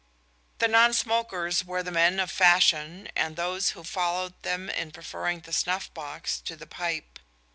The non smokers were the men of fashion and those who followed them in preferring the snuff box to the pipe.